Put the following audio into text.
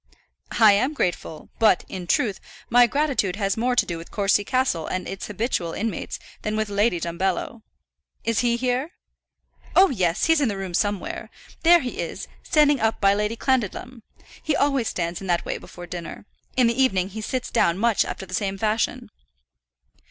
"I am grateful; but, in truth, my gratitude has more to do with Courcy Castle and its habitual inmates, than with Lady Dumbello. Is he here?" "Oh, yes! he's in the room somewhere. There he is, standing up by Lady Clandidlem. He always stands in that way before dinner. In the evening he sits down much after the same fashion."